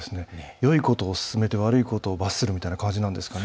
よいことを勧めて悪いことを罰するという感じですかね。